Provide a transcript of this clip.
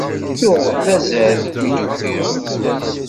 Tuɣ d azal mi d-ukiɣ.